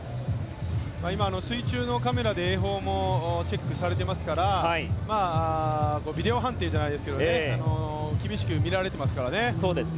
今、水中のカメラで泳法もチェックされてますからビデオ判定じゃないですけど厳しく見られてますからね。